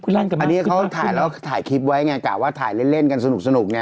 พี่ลั่นกันมาอันนี้เขาถ่ายแล้วถ่ายคลิปไว้ไงกะว่าถ่ายเล่นเล่นกันสนุกสนุกไง